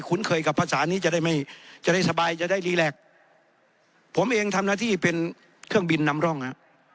เคยกับภาษานี้จะได้ไม่จะได้สบายจะได้รีแล็กผมเองทำหน้าที่เป็นเครื่องบินนำร่องฮะ